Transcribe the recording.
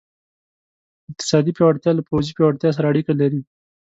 اقتصادي پیاوړتیا له پوځي پیاوړتیا سره اړیکه لري.